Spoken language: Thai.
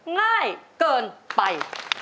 ง่ายเกินไป